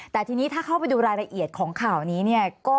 แต่ทีนี้ถ้าเข้าไปดูรายละเอียดของข่าวนี้เนี่ย